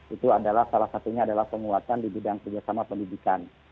itu adalah salah satunya adalah penguatan di bidang kerjasama pendidikan